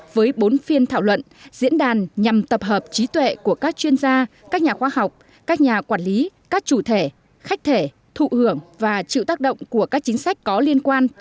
với bốn phiên thảo luận diễn đàn nhằm tập hợp trí tuệ của các chuyên gia các nhà khoa học các nhà quản lý các chủ thể khách thể thụ hưởng và trí tuệ